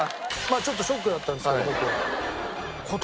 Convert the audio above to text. ちょっとショックだったんですけど僕は。